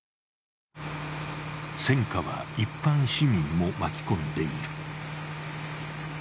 戦火は一般市民も巻き込んでいる。